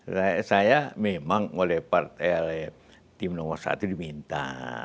saya memang oleh tim nomor satu diminta